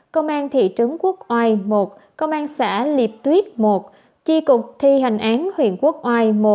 công an thị trấn quốc oai một công an xã liệp tuyết một chi cục thi hành án huyện quốc oai